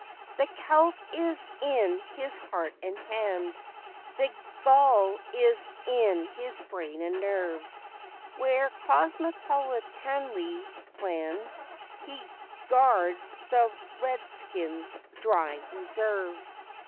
The Celt is in his heart and hand, The Gaul is in his brain and nerve; Where, cosmopolitanly planned, He guards the Redskin's dry reserve.